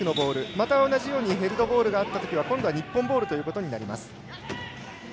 また同じようにヘルドボールがあったときには今度は日本ボールになります。